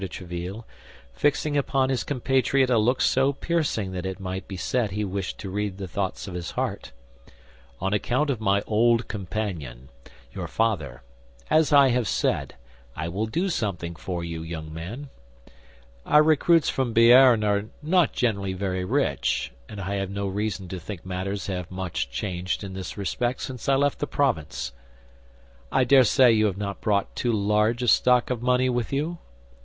de Tréville, fixing upon his compatriot a look so piercing that it might be said he wished to read the thoughts of his heart, "on account of my old companion, your father, as I have said, I will do something for you, young man. Our recruits from Béarn are not generally very rich, and I have no reason to think matters have much changed in this respect since I left the province. I dare say you have not brought too large a stock of money with you?"